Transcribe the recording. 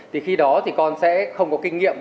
thì khi đó thì con sẽ không có kinh nghiệm